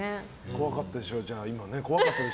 怖かったでしょ、今。